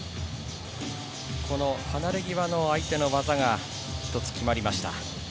離れぎわの相手の技が１つ決まりました。